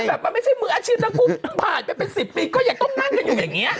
แบบมันไม่ใช่มืออาชีพทั้งคู่ผ่านไปเป็น๑๐ปีก็ยังต้องนั่งกันอยู่อย่างนี้